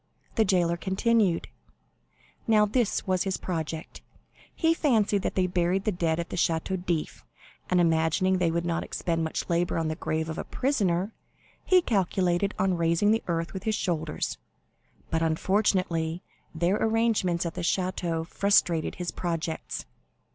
The jailer continued: "Now this was his project. He fancied that they buried the dead at the Château d'If, and imagining they would not expend much labor on the grave of a prisoner, he calculated on raising the earth with his shoulders, but unfortunately their arrangements at the Château frustrated his projects.